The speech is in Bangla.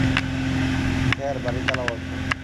স্যার, বাড়ি তালাবদ্ধ।